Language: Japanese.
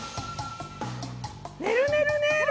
ねるねるねる！